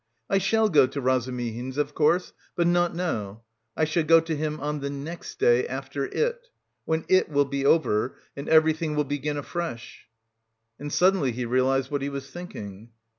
"I shall go to Razumihin's of course, but... not now. I shall go to him... on the next day after It, when It will be over and everything will begin afresh...." And suddenly he realised what he was thinking.